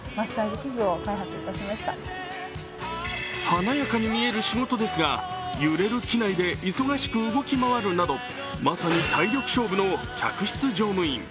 華やかに見える仕事ですが、揺れる機内で忙しく動き回るなど、まさに体力勝負の客室乗務員。